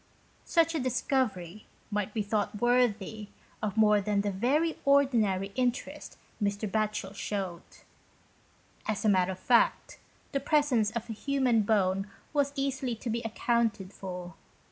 Such a discovery might be thought worthy 31 GHOST TALES. of more than the very ordinary interest Mr. Batohel showed. As a matter of fact, the presence of a human bone was easily to be accounted for.